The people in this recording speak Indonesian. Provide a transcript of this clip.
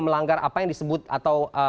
melanggar apa yang disebut atau